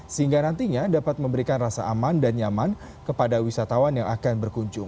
sehingga nantinya dapat memberikan rasa aman dan nyaman kepada wisatawan yang akan berkunjung